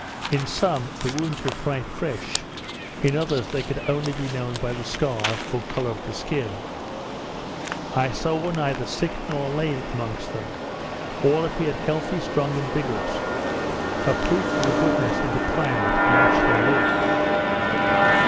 In some, the wounds were quite fresh; in others, they could only be known by the scars, or colour of the skin. I saw neither sick nor lame amongst them; all appeared healthy, strong, and vigorous; a proof of the goodness of the climate in which they live.